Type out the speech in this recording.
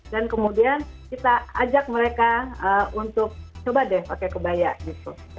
dan kemudian kita ajak mereka untuk coba deh pakai kebaya gitu